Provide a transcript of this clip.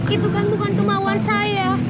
itu kan bukan kemauan saya